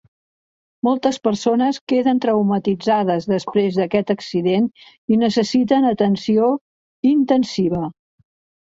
Moltes persones queden traumatitzades després d'aquest accident i necessiten atenció intensiva.